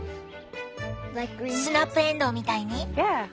スナップエンドウみたいに？